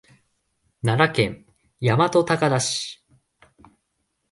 奈良県大和高田市